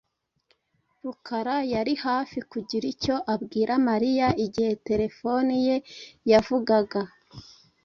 Rukara yari hafi kugira icyo abwira Mariya igihe terefone ye yavugaga.